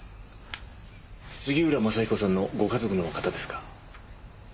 杉浦正彦さんのご家族の方ですか？